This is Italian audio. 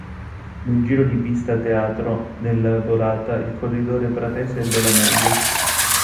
Nel giro di pista teatro della volata il corridore pratese ebbe la meglio.